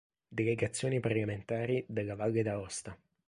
Delegazioni parlamentari della Valle d'Aosta